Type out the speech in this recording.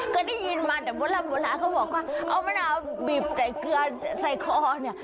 ก็ได้ยินมาแต่โบราณเขาบอกว่าเอามะนาวบีบใส่เกลือใส่คอเนี่ย